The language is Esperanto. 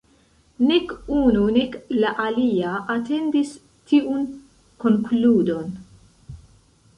Nek unu, nek la alia atendis tiun konkludon.